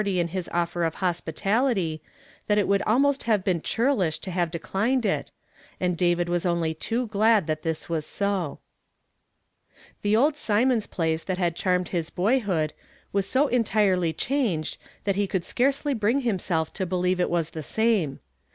M^ heany in his offer of hospitality, that it would almost have been churlish to have declined it, and David was only too glad that this was so. The old Synionds i)lace that had charmed his boyhood was so entirely changed that he could scarcely bring himself to believe it was the same.